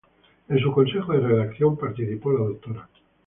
En su consejo de redacción participaban la Dra.